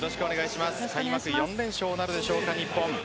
開幕４連勝なるでしょうか日本。